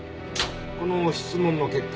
この質問の結果